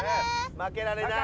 負けられない。